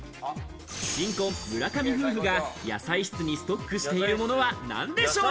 新婚・村上夫婦が野菜室にストックしているものは何でしょう？